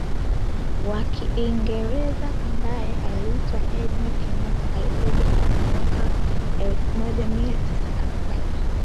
wa kiingereza ambaye aliitwa Edna Kenyata Alirudi Kenya mwaka elfu moja mia tisa arobaini